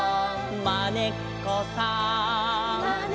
「まねっこさん」